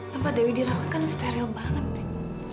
tempat dewi dirawat kan steril banget dewi